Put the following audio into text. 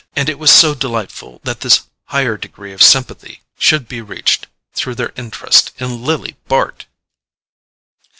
And it was so delightful that this higher degree of sympathy should be reached through their interest in Lily Bart!